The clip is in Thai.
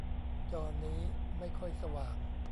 จอนี้ไม่ค่อยสว่าง